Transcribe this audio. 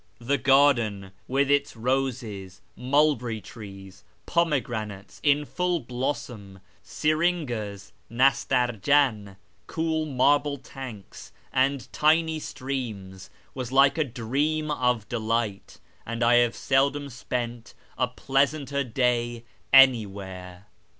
The garden, with its roses, mulberry trees, pomegranates in full blossom, syringas (nastarjan), cool marble tanks, and tiny streams, was like a dream of delight, and I have seldom spent a pleasanter day anywhere.